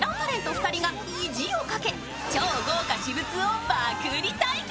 ２人が意地をかけ超豪華私物を爆売り対決。